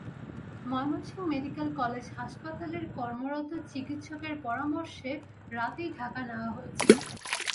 Mymensingh medical college হাসপাতালের কর্তব্যরত চিকিৎসকের পরামর্শে রাতেই ঢাকায় নেওয়া হয়।